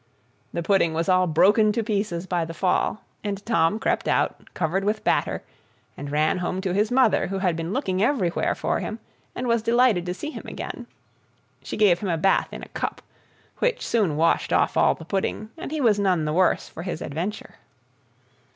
The pudding was all broken to pieces by the fall, and Tom crept out, covered with batter, and ran home to his mother, who had been looking everywhere for him, and was delighted to see him again. She gave him a bath in a cup, which soon washed off all the pudding, and he was none the worse for his adventure.